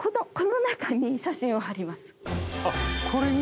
あっこれに。